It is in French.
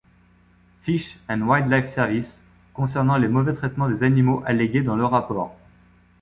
Fish and Wildlife Service concernant les mauvais traitements des animaux allégués dans le rapport.